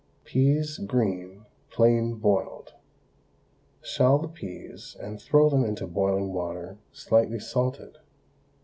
PEAS, GREEN, PLAIN BOILED. Shell the peas, and throw them into boiling water slightly salted.